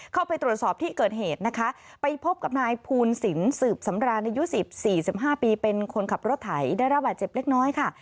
เข้าไปตรวจสอบที่เกิดเหตุนะคะไปพบกับนายภูลสินสืบสำราญอายุ๔๕ปีเป็นคนขับรถไถได้รับบาดเจ็บเล็กน้อยค่ะ